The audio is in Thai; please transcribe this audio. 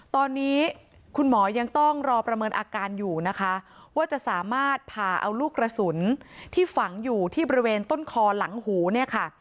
ตอนนี้คุณหมอยังต้องรอประเมินอาการอยู่นะคะว่าจะสามารถผ่าเอาลูกกระสุนที่ฝังอยู่ที่บริเวณต้นคอหลังหูเนี่ยค่ะ